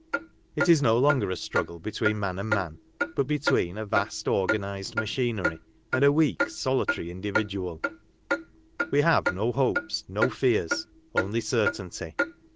It is no longer a struggle between man and man, but between a vast organised machinery, and a weak, solitary individual ; we have no hopes, no fears — only certainty.